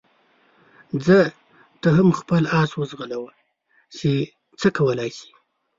ځه ته هم خپل اس وځغلوه چې څه کولای شې.